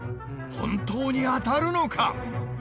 本当に当たるのか？